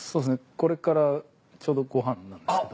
これからちょうどご飯なんですけど。